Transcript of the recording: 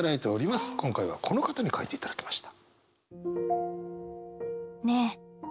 今回はこの方に書いていただきました。